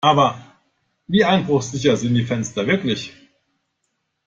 Aber wie einbruchsicher sind die Fenster wirklich?